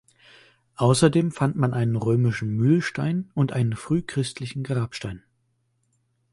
Außerdem fand man einen römischen Mühlstein und einen frühchristlichen Grabstein.